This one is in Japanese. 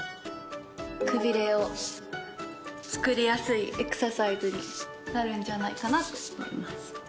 くびれを作りやすいエクササイズになるんじゃないかなと思います。